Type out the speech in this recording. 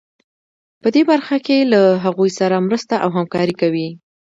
په دې برخه کې له هغوی سره مرسته او همکاري کوي.